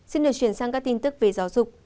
xin được chuyển sang các tin tức về giáo dục